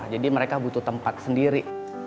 jadi mereka butuh tempat sendiri